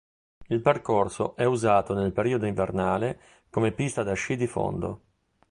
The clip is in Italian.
Il percorso è usato nel periodo invernale come pista da sci di fondo.